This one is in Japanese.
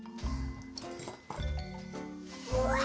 うわ。